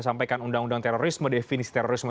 sampaikan undang undang terorisme definisi terorisme